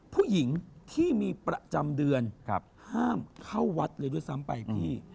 ผู้หญิงที่มีประจำเดือนห้ามเข้าวัดเลยด้วยซ้ำไปพี่